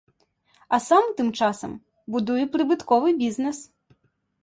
А сам тым часам будуе прыбытковы бізнэс.